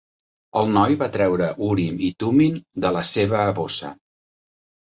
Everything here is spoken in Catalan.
El noi va treure Urim i Tumim de la seva bossa.